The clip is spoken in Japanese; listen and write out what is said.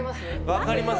分かります。